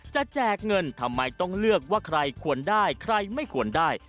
แจกเงินทำไมต้องเลือกว่าใครควรได้ใครไม่ควรได้